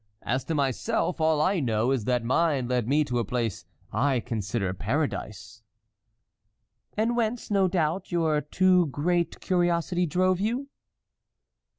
As to myself, all I know is that mine led me to a place I consider paradise." "And whence, no doubt, your too great curiosity drove you?"